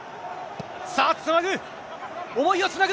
さあ、つなぐ。